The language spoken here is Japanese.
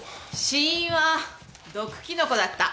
死因は毒キノコだった。